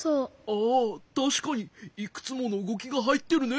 ああたしかにいくつものうごきがはいってるね。